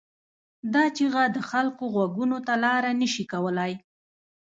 دا چیغه د خلکو غوږونو ته لاره نه شي کولای.